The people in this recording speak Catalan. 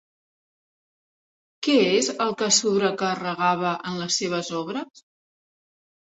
Què és el que sobrecarregava en les seves obres?